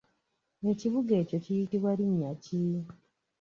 Ekibuga ekyo kiyitibwa linnya ki?